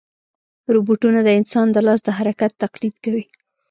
روبوټونه د انسان د لاس د حرکت تقلید کوي.